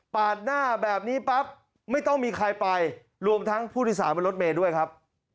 หน้าแบบนี้ปั๊บไม่ต้องมีใครไปรวมทั้งผู้โดยสารบนรถเมย์ด้วยครับ